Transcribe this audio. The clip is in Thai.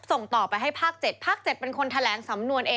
ส่งต่อไปให้ภาค๗ภาค๗เป็นคนแถลงสำนวนเอง